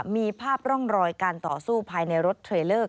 มีภาพร่องรอยการต่อสู้ภายในรถเทรลเลอร์